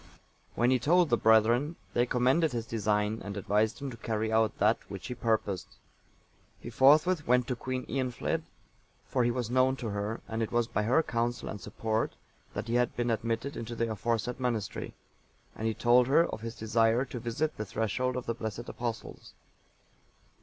When he told the brethren, they commended his design, and advised him to carry out that which he purposed. He forthwith went to Queen Eanfled, for he was known to her, and it was by her counsel and support that he had been admitted into the aforesaid monastery, and he told her of his desire to visit the threshold of the blessed Apostles.